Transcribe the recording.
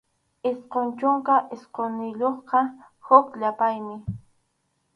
Isqun chunka isqunniyuqqa huk yupaymi.